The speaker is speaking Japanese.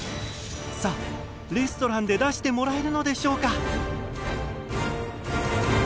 さあレストランで出してもらえるのでしょうか？